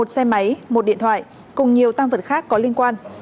một xe máy một điện thoại cùng nhiều tăng vật khác có liên quan